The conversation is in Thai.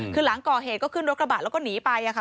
คือหลังก่อเหตุก็ขึ้นรถกระบะแล้วก็หนีไปค่ะ